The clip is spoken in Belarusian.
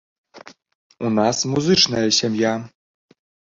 У нас музычна сям'я.